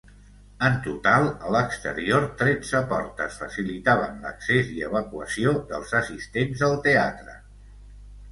En total, a l'exterior tretze portes facilitaven l'accés i evacuació dels assistents al teatre.